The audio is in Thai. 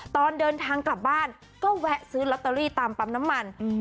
ตอนเดินทางกลับบ้านก็แวะซื้อลอตเตอรี่ตามปั๊มน้ำมัน